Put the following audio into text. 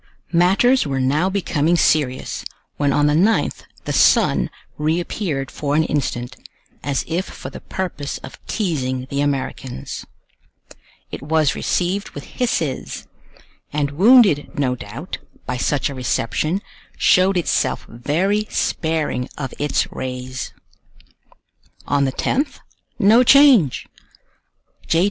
Matters were now becoming serious, when on the 9th the sun reappeared for an instant, as if for the purpose of teasing the Americans. It was received with hisses; and wounded, no doubt, by such a reception, showed itself very sparing of its rays. On the 10th, no change! J.